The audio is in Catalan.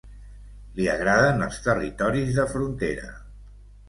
Li agraden els territoris de frontera.